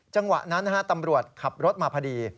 จังหวะนั้นตำรวจขับรถมาพอดี